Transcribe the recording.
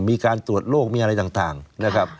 มีการตรวจโรคมีอะไรต่างนะครับ